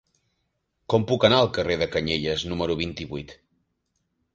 Com puc anar al carrer de Canyelles número vint-i-vuit?